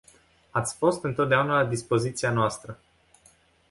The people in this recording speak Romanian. Ați fost întotdeauna la dispoziția noastră.